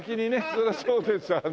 そりゃそうですわね。